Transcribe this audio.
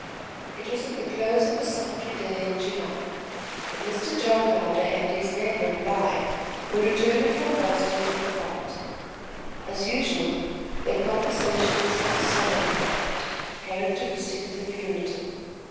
It was at the close of a sultry day in July that Mr. John Louder and his neighbor Bly were returning from Boston in a cart. As usual, their conversation was of the solemn kind, characteristic of the Puritan.